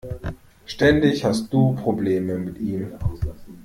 Ständig hast du Probleme mit ihm.